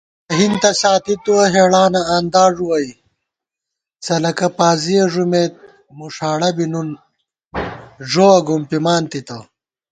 شاہین تہ ساتی تُوَہ ہېڑانہ آندا ݫُوَئی، څلَکہ پازِیَہ ݫُوَمېت مُݭاڑہ بی نُن ݫووَہ گُمپِمان تِتہ